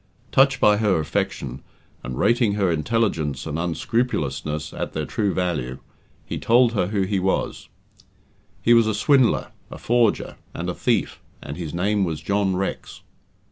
Touched by her affection, and rating her intelligence and unscrupulousness at their true value, he told her who he was. He was a swindler, a forger, and a thief, and his name was John Rex.